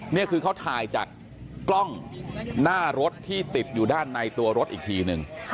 นี่คือเขาถ่ายจากกล้องหน้ารถที่ติดอยู่ด้านในตัวรถอีกทีนึง